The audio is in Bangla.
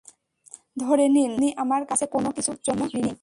ধরে নিন, আপনি আমার কাছে কোনও কিছুর জন্য ঋণী।